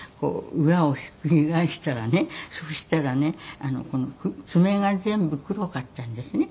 裏をひっくり返したらねそしたらね爪が全部黒かったんですね。